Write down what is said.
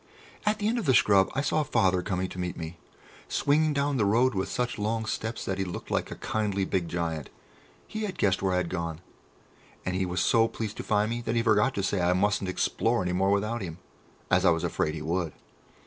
At the end of the scrub I saw Father coming to meet me, swinging down the road with such long steps that he looked like a kindly big giant. He had guessed where I had gone, and he was so pleased to find me that he forgot to say I mustn't explore any more without him, as I was afraid he would.